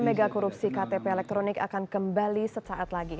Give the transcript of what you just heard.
mega korupsi ktp elektronik akan kembali sesaat lagi